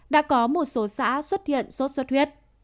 đã có một số xã xuất hiện sốt xuất huyết